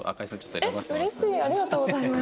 ありがとうございます。